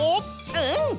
うん！